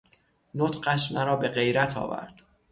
نطقش مرا بغیرت آ ورد